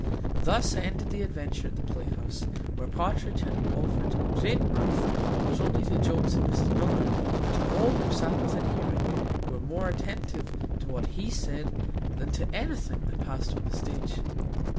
Thus ended the adventure at the playhouse; where Partridge had afforded great mirth, not only to Jones and Mrs Miller, but to all who sat within hearing, who were more attentive to what he said, than to anything that passed on the stage.